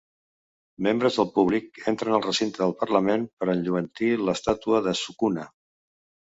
Membres del públic entren al recinte del Parlament per enlluentir l'estàtua de Sukuna.